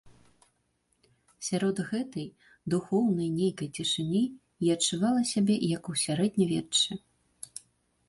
Сярод гэтай, духоўнай нейкай, цішыні я адчувала сябе, як у сярэднявеччы.